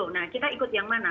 nah kita ikut yang mana